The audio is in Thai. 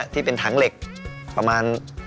ที่เป็นถังเหล็กประมาณ